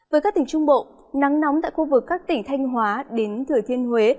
với các tỉnh trung bộ nắng nóng tại khu vực các tỉnh thanh hóa đến thừa thiên huế